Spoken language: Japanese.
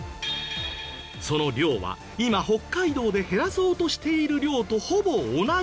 その量は今北海道で減らそうとしている量とほぼ同じ。